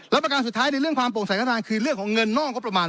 และประการสุดท้ายในเรื่องความโปร่งใสรัฐบาลคือเรื่องของเงินนอกงบประมาณ